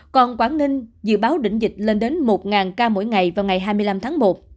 còn quảng ninh dự báo đỉnh dịch lên đến một ca mỗi ngày vào ngày hai mươi năm tháng một